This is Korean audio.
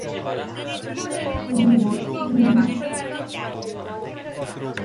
덕호는 물끄러미 신철이를 바라보며 어딘지 모르게 신철이가 옥점이에게 짝이 좀 지나치는 것 같았다.